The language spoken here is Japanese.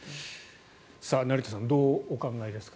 成田さんどうお考えですか？